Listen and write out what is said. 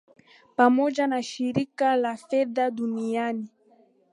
Pamoja na Shirika la Fedha Duniani